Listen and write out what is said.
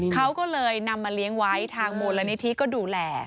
เขาก็เลยนำมาเลี้ยงไว้ทางมูลนิธิก็ดูแล